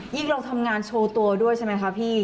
เราทำงานโชว์ตัวด้วยใช่ไหมคะพี่